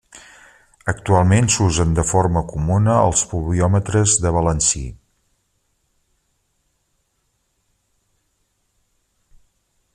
Actualment s'usen de forma comuna els pluviòmetres de balancí.